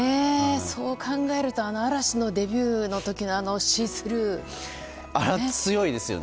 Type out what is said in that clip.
そう考えると嵐のデビューの時のあれは強いですよね。